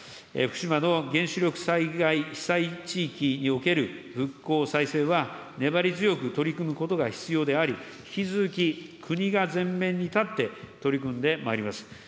福島の原子力災害被災地域における復興再生は、粘り強く取り組むことが必要であり、引き続き国が前面に立って取り組んでまいります。